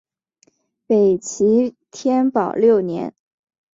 北齐天保六年。